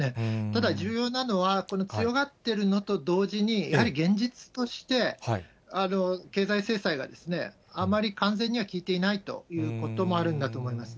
ただ、重要なのは、この強がってるのと同時に、やはり現実として、経済制裁があまり完全には効いていないということもあるんだと思います。